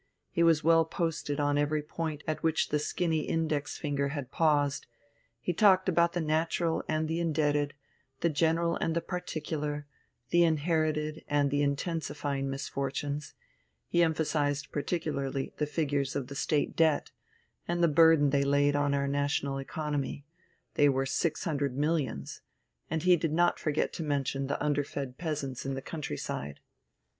He was well posted on every point at which the skinny index finger had paused: he talked about the natural and the indebted, the general and the particular, the inherited and the intensifying misfortunes; he emphasized particularly the figures of the State debt, and the burden they laid on our national economy they were six hundred millions and he did not forget to mention the underfed peasants in the country side.